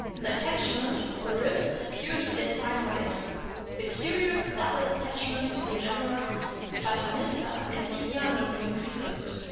The attachment of the ribs is purely delphinoid, the curious double attach ment of the genera Platanista and Inia not being preserved.